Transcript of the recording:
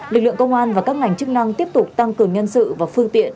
lực lượng công an và các ngành chức năng tiếp tục tăng cường nhân sự và phương tiện